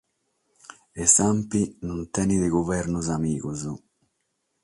E s'Anpi non tenet guvernos amigos.